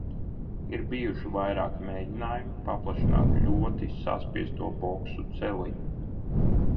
Ir bijuši vairāki mēģinājumi paplašināt ļoti saspiesto boksu celiņu.